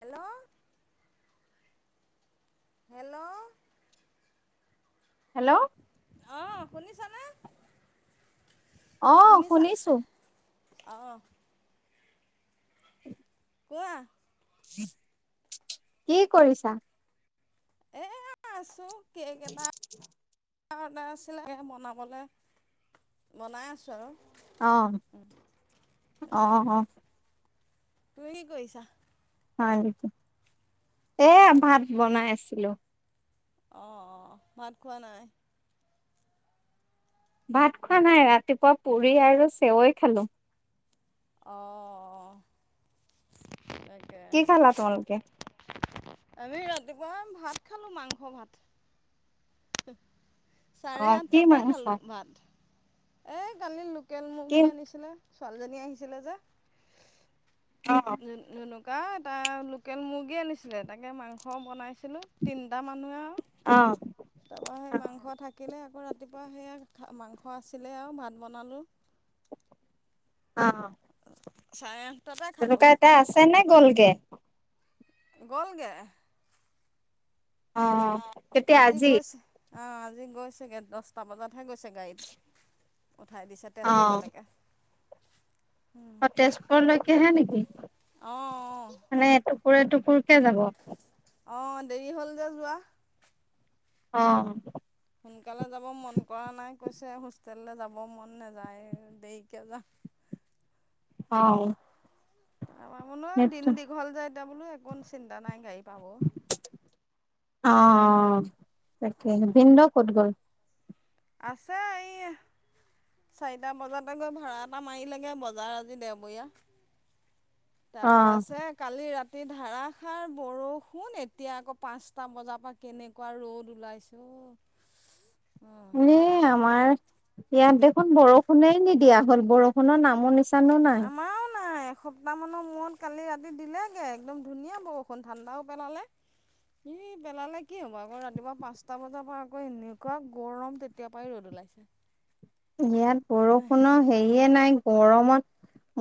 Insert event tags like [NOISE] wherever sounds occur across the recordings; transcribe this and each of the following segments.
Hello. Hello. Hello অ শুনিছানে অ শুনিছা শুনিছো অঁ কোৱা কি কৰিছা এ আছো কেক এটা অৰ্ডাৰ আছিলে তাকে বনাবলে বনাই আছোঁ আৰু অ অ অ তুমি কৰিছা হয় নেকি এ ভাত বনাই আছিলো। অ ভাত খোৱা নাই। ভাত খোৱা নাই ৰাতিপুৱা পুৰি আৰু চেৱৈ খালো অ কি খালা তোমালোকে আমি ৰাতিপুৱা ভাত খালো মাংস ভাত অ চাৰে কি আঠটাতে মাংস খালো ভাত এই কালি লোকেল কি মুৰ্গী আনিছিলে ছোৱালীজনী আহিছিলে যে অ জুনুকা তাই লোকেল মুৰ্গী আনিছিলে তাকে মাংস বনাইছিলোঁ। ছিলো তিনটা মানুহে আৰু অ তাৰপৰা সেই মাংস থাকিলে আকৌ ৰাতিপুৱা সেয়া মাংস আছিলে আৰু ভাত বনালোঁ অ চাৰে আঠটাতে খালোঁ তেনেকুৱা এতিয়া আছে নে গ'লগে গ'লগে অ কেতিয়া আজি অ আজি গৈছেগে দহটা বজাতহে গৈছে গাড়ীত উঠাই দিছে অ তেজপুৰলৈকে অ তেজপুৰলৈকেহে নেকি অঁ অঁ মানে এটু কুৰ কে যাব অ দেৰি হল যে যোৱা অ সোনকালে যাব মন কৰা নাই কৈছে হোষ্টেললৈ যাব মন নাযায় দেৰিকে যাম [INAUDIBLE] অ দিন সেইটো দীঘল যায় এতিয়া বোলো একো চিন্তা নাই গাড়ীত অ তাকে ভিন্দৌ ক'ত গ'ল আছে এই চাৰিটা বজাতে গৈ ভাড়া এটা মাৰিলেগে বজাৰ আজি দেওবৰীয়া। অ তাপা আছে কালি ৰাতি এই ধাৰাসাৰ বৰষুণ এতিয়া আকৌ পাঁচটা বজাৰ পৰা কেনেকুৱা ৰ'দ ওলাইছে অ'। অ' [INAUDIBLE] এই আমাৰ ইয়াত দেখোন বৰষুণে নিদিয়া হ'ল বৰষুণৰ নাম নামৰ নিচানো নাই। আমাৰো নাই এসপ্তাহমানৰ মূৰত কালি ৰাতি দিলেগে একদম ধুনীয়া বৰষুণ ঠাণ্ডাও পেলালে ই পেলালে কি হ'ব আকৌ ৰাতিপুৱা পাঁচটা বজাৰ পৰা আকৌ এনেকুৱা গৰম তেতিয়া পাই ৰ'দ ওলাইছে ইয়াত বৰষুণৰ হেৰিয়ে নাই গৰমত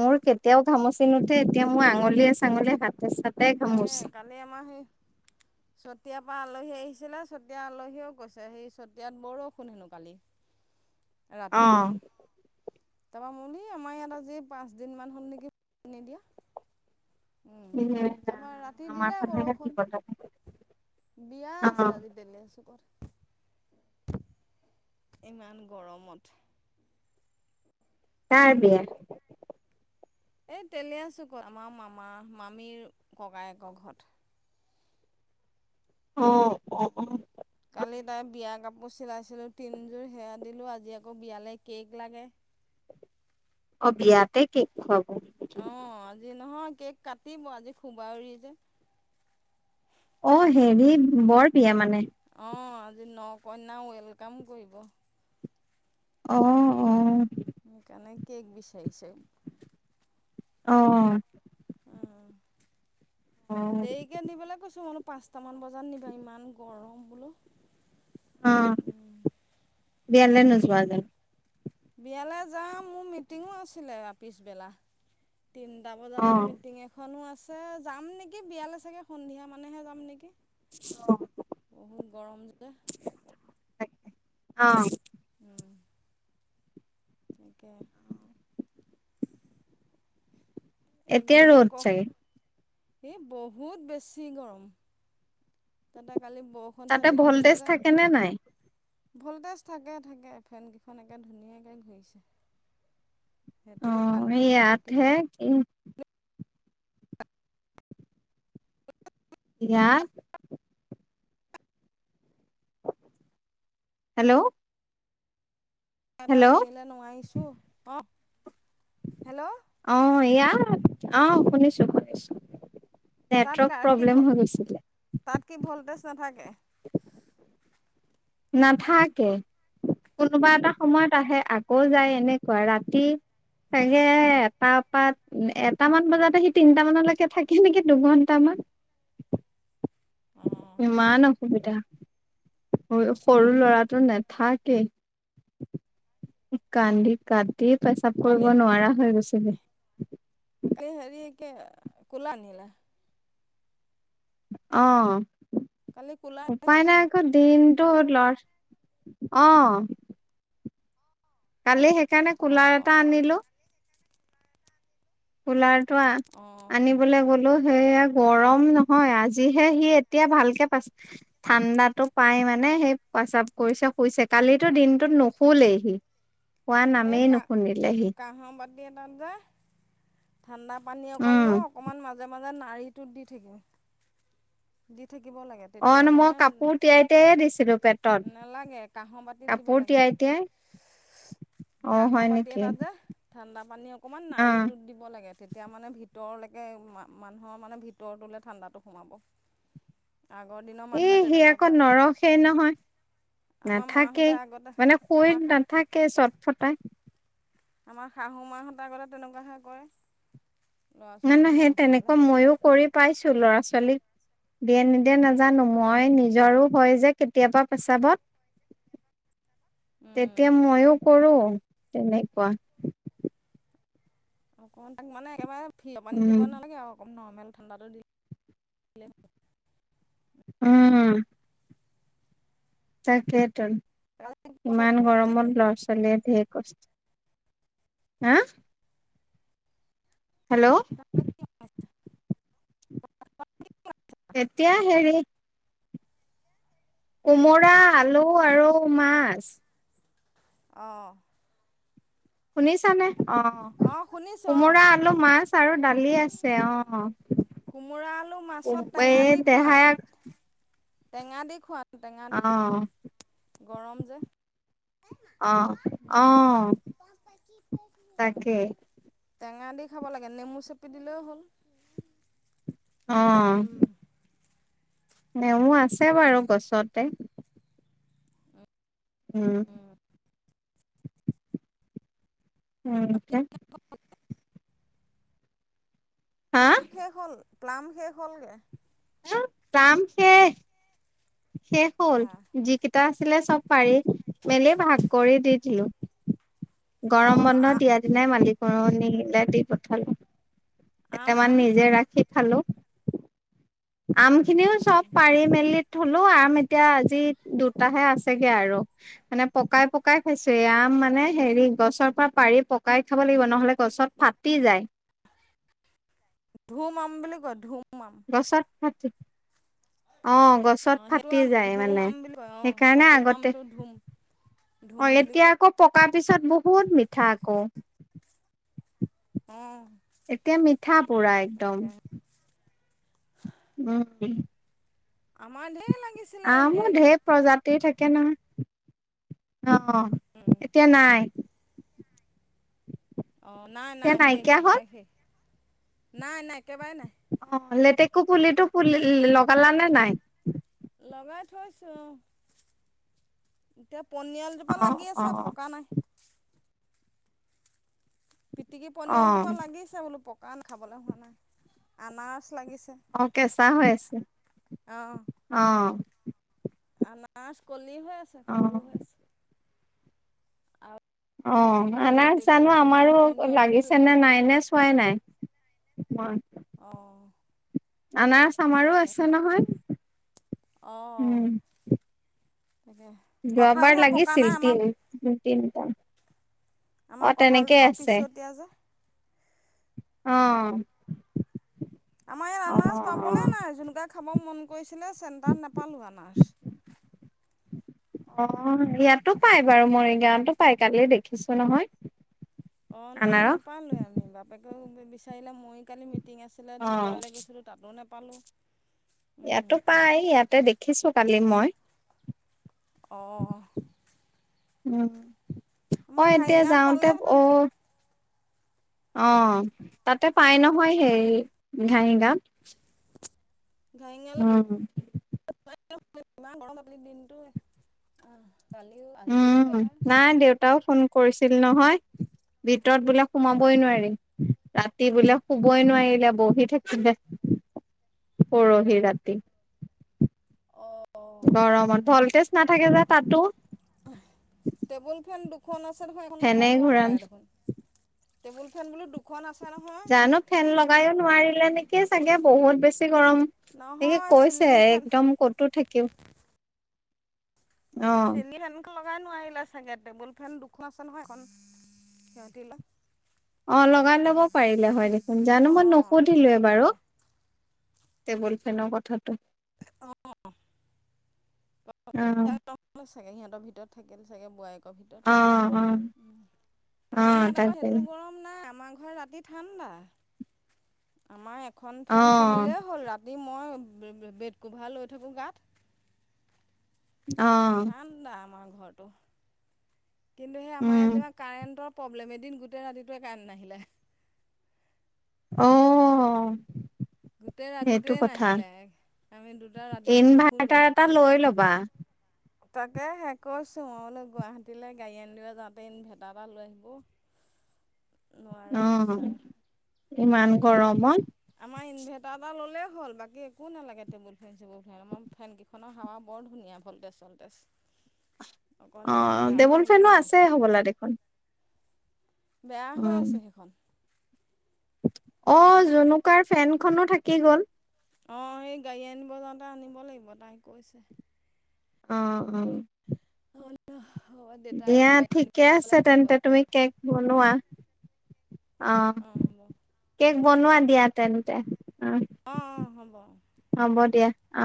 মোৰ কেতিয়াও ঘামচি নুঠে এতিয়া মোৰ আঙুলিয়ে চাঙলিয়ে হাতে চাত সেই কালি আমাৰ সেই চতিয়াৰ পৰা আলহী আহিছিলে চতিয়া আলহীও কৈছে সেই চতিয়াত বৰষুণ হেনো কালি [INAUDIBLE] ৰাতিপুৱা সমুলী আমাৰ ইয়াত আজি পাঁচ দিনমান হ'ল নেকি নিদিয়া উম, ইচ্ তাৰপৰা ৰাতি ৰাম আমাৰ দিলে ফালে বৰষুণ কি বিয়া অ আছে আজি টেলীন চুকত ইমান গৰমত [UNINTELLIGIBLE] তাৰ বিয়া এই তেলিয়া চুকৰ আমাৰ মামা মামীৰ ককায়েকৰ ঘৰত অ অ কালি তাই বিয়া কাপোৰ চিলাইছিলোঁ তিনিযোৰ সেয়া দিলোঁ আজি আকৌ বিয়ালৈ কেক লাগে অ বিয়াতে কেক খুৱাব অ আজি নহয় কেক কাটিব আজি খুবাউৰি যে অ হেৰি বৰ প্ৰিয়া মানে অঁ আজি ন কইনা ওলকাম কৰিব [UNINTELLIGIBLE] অ অ সেইকাৰণে কেক বিচাৰিছে অ অ দেৰিকে নিবলৈ কৈছো মানো পাঁচটামান বজাত নিবলৈ কৈছো ইমান গৰম বুলু অ বিয়ালে তাকে নোজোৱা যেন বিয়ালৈ যাম মোৰ মিটিঙো আছিলে পিছবেলা তিনিটা বজাৰ অ পৰা মিটিং এখনো আছে যাম নেকি বিয়ালৈ চাগে সন্ধিয়া মানেহে যাম নেকি অ বহুত গৰম যে অ উম কে এতিয়া এইকেইদিন ৰ'দ আকৌ চাগে এই বহুত বেছি গৰম ততক তাতে ভল্টেজ থাকে নে নাই ভল্টেজ থাকে থাকে ফেনকেইখন একে ধুনীয়াকৈ ঘূৰিছে অ সেইটোৱে শান্তি আৰু এইয়াত হে কিনো কিন্তু ইয়াত হেল্ল' এটা হেল্ল' নানিলে নোৱাৰিছো অ অ এয়াত অ শুনিছো শুনিছো তাত নেটৰ্ক কি প্ৰব্লেম হৈ গৈছিলে তাত কি ভল্টেজ নাথাকে নাথাকে কোনোবা এটা সময়ত আহে আকৌ যায় এনেকুৱা ৰাতি চাগে এটাৰ পাত এটামান বজাত সি তিনটা মানলৈকে থাকে নেকি দুঘন্টামান [INAUDIBLE] অঁ বিমানও [UNINTELLIGIBLE] সুবিধা সৰু সৰু ল'ৰাটো নাথাকেই কান্দি কাতি পেচাব কৰিব কালি নোৱাৰা হৈ গৈছেগে এই হেৰি কে কুলা নীলা অ কালি ক'লা আনিলা উপায় নাই নি আকৌ দিন লৰ অ [UNINTELLIGIBLE] কালি সেইকাৰণে কুলাৰ এটা অঁ আনিলো। ফলাৰটো অঁ অঁ আনিবলৈ গ'লো- সেয়া গৰম নহয়। আজিহে সি এতিয়া ভালকে পাইছে ঠাণ্ডা পাই মানে। নে সেই প্ৰচ্ৰাৱ কৰিছে শুইছে কালিতো দিনটোত নুসুলেই হি এই ক কাঁহৰ বাতি এটাত যে- [UNINTELLIGIBLE] ঠাণ্ডা পানী অকণ উম লৈ অকণমান মাজে মাজে নাড়িটোত দি থাকিম- থাকিব লাগে অ তেতিয়া ন মই মানে কাপোৰ তিয়াই তিয়াইয়ে দিছিলো পেটত নালাগে কাঁহৰ বাতিত দিব লাগে। এতিয়া কাহৰ বাতি এ তাত যে ঠাণ্ডা পানী অকনমান অ নাড়িটোত দিব লাগে। তেতিয়া মানে ভিতৰলৈকে মানুহৰ মানে ভিতৰটোলৈ ঠাণ্ডাটো সোমাব- আগৰ দিনৰ এ মানুহে সি তেনেকুৱা আকৌ কয় নৰখেই নহয়- আমাৰ মাহঁতে নাথাকেই আগতে মানে শই আমাৰ শা নাথাকে চট ফটা- আমাৰ শাহু মাহঁতে আগতে তেনেকুৱাহে কৰে ল'ৰা নহ ছোৱালী নহ সেই গৰম সোমালে তেনেকুৱা মইয়ো কৰি পাইছো ল'ৰা ছোৱালী- ছোৱালীক দিয়ে নিদিয়ে নাজানো মই নিজৰো হয় যে কেতিয়াবা পেচাবত- [INAUDIBLE] তেতিয়া ময়ও কৰোঁ তেনেকুৱা অকণ তাক মানে একেবাৰে ফিয় পানী দিব উম নালাগে আৰু অকমান- নৰ্মেল ঠাণ্ডাটো দি- উম তাকেইেতো ইমান গৰমত ল'ৰা ছোৱালীয়ে ঢেৰ কষ্ট। হা হেল্ল' এতিয়া হিৰি- কোমৰা, আলু, আৰু মাছ, - আহঁ শুনিছা নে অ অঁ শুনিছোঁ অঁ কোমোৰা আলু, মাছ আৰু দালি আছে অ কোমোৰা আলু মাছত টেঙা এই দি খোৱা দেহাই টেঙা দি খোৱা। টেঙা অ দি গৰম যে- অহ অহ তাকে- টেঙা দি খাব লাগে নেমু চেপি দিলেও হ'ল- নমু আছে বাৰু গছতে- উম উম কে হা শেষ হ'ল প্লাম শেষ হ'লগে কাম শেষ শেষ হ'ল অঁ যিকেইটা ছিলে চব পাৰি মেলি ভাগ কৰি দি দিলো- গৰম বন্ধ অঁ দিয়া দিনাই মালিকুৰণিলে দি পঠালো [UNINTELLIGIBLE] আম কেইটামান আম নিজে ৰাখি খালো আম খিনিও চব পাৰি মেলি। থলো আম এতিয়া আজি দুটাহে আছেগে আৰু মানে পকাই পকাই খাইছোয়ে আম। [UNINTELLIGIBLE] মানে হেৰি গছৰ পৰা পাৰি পকাই খাব লাগিব নহলে গছত ফাটি যায় [INAUDIBLE] ধুম আম বুলি কয় ধুম আম গছত মাত অ সেইটো আম ধুম আম বুলি আহ সেইকাৰণে ভাটি আগতে যামটো ধুম ধুম অ বুলি এতিয়া কয় আকৌ পকাৰ পিছত বহুত মিঠা আকৌ অঁ এতিয়া মিঠা পোৰা একদম তাকে উম আম ধেই লাগি আমু ঢেৰ প্ৰজাতি ধেই থাকে নহয় অ এতিয়া নাই অ নাই এতিয়া নাই শেষ নাইকিয়া হ'ল একবাৰে শেষ নাই নাই একেবাৰে নাই অ লেটেকু পুলিতো পুলি লগালা নে নাই লগাই থৈছো এতিয়া পনিয়াল জোপা অ লাগি অ আছে পকা নাই পিটিকি অ পনিয়ালজোপা লাগিছে বোলো পকা নাই খাবলৈ হোৱা নাই আনা অ কেঁচা হৈ আছে অ আনাজ কলি হৈ আছে অ সৰু হৈ আছে অ আৰু আনাৰখ লেটেকু জানো কি আমাৰো পনিয়লখিনি লাগিছে নে নাই নে চোৱাই নাই অ' আনাৰস আমাৰো তাকে আছে নহয় অ' উম তাকে যোৱাবাৰ কঁঠালহে পকা লাগিছিল নাই আমাৰ তিনি তিনিটা অ আমাৰ কঁঠালজোপা পিছতীয়া যে অহ আমাৰ ইয়াত আনাজ অ পাবলে নাই জেনেৱা খাব মন কৰিছে ছিলে চেণ্টাৰ নেপালো আনাছ অ ইয়াতো পাই বাৰু মৰিগাঁৱতো পাই কালিয়ে দেখিছো নহয় অ নাই আনাৰস। নাপালো আমি বাপেকেও বিচাৰিলে মই কালি মিটিং আছিলে অ। দীপুৱালৈ গৈছিলোঁ তাতো নাপালোঁ ইয়াতো পাই ইয়াতে দেখিছো কালি মই অঁ উ অ এতিয়া ঘাৰিঙাত যাওঁতে পালেহেঁতেন অ চাগে অ তাতে পাই নহয় সেই ঘহি গাত উ বোলো ইমান গৰম দিনটো অহ কালিও আজিও উম সেয়াহে নাই দেউতাও ফোন কৰিছিল নহয় ভিতৰত বোলে সোমাবই অ'। নোৱাৰিল ৰাতি বোলে শুবই অ'। নোৱাৰিলে বহি থাকিলে পৰহি ৰাতি। অ', গৰমত ভলটেজ নাথাকে যে তাতো। টেবুল ফেন দুখন আছে দেখোন এখন লগাই ফেনে ল'ব ঘূৰা পাৰে দেখোন। টেবুল ফেন বোলো দুখন আছে। নহয়, জানো ফেন লগাইও নোৱাৰিলে নেকি চাগে বহুত বেছি গৰম। এই নহয় কৈছে চিলিঙি ফেন একদম কতো থাকিম অ চেনি আনোক লক [UNINTELLIGIBLE] একেবাৰে নোৱাৰিলা চাগে টেবুল ফেন দুখন আছে নহয় এখন সিহঁতি লয় অ লগাই ল'ব পাৰিলে হয় দেখোন জানো মই অ', নুসুধিলোৱে তাকে। বাৰু তেবুল ফেনৰ কথাটো অঁ অহ চাগে সিহঁতৰ ভিতৰত থাকিল চাগে বোয়াইক ঘৰ অ অ ভিতত অ আমাৰ ঘৰত আকৌ তাকে সেইটো গৰম নাই আমাৰ ঘৰত ৰাতি ঠাণ্ডা আমাৰ এখন অ ফেন চলিলে হল মই বেড কোভাৰ লৈ থাকোঁ গাত অ ঠাণ্ডা আমাৰ ঘৰটো কিন্তু সেই আমাৰ উম ইয়াত যে কাৰেণ্টৰ প্ৰব্লেম এদিন গোটেই ৰাতিটোৱে কাৰেন্ট নাহিলে অ গোটেই সেইটো ৰাতিটোৱে কথা নাহিলে আমি দুটা ৰাতিটো নুশুলোৱেই ইনভাৰ্টাৰ এটা লৈ ল'বা তাকে হে কৈছো মই বোলো গুৱাহাটীলৈ গাড়ী আনিব যাওঁতে ইনভাৰটাৰ এটা লৈ আহিব [INAUDIBLE] অ নোৱাৰা হৈছে অহ‌ ইমান গৰমত আমাৰ ইনভাৰ্টাৰ এটা ল'লেও। হ'ল বাকী একো নালাগে টেবুল ফেন চেবুল ফেন আমাৰ ফে কেইখনৰ হাৱা বৰ ধুনীয়া ভল্টেজ চলটেজ। অ টেবুল ফেনো হ'ল আছে হ'বলা দেখোন। বেয়া হৈ উম আছে সেইখন। অ জোনুকাৰ ফেনখনো থাকি গ'ল। অঁ সেই গাড়ী আনিব যাওঁতে আনিব লাগিব তাই কৈছে। অ অ। হ'লেও হ'ব দেউতাই দিয়া বোলো গাড়ী ঠিকে আনিব গ'লে আছে আনিব তেন্তে নহ'লে তুমি কেক বনোৱা। অ অঁ হ'ব কেক বনোৱা দিয়া তেনেতে। অ অঁ অঁ হ'ব অঁ হব দিয়া অ।